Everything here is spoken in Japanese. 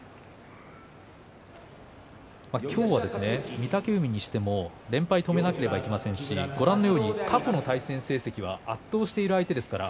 今日は御嶽海にしても連敗を止めなければいけませんしご覧のように過去の対戦成績は圧倒している相手ですから。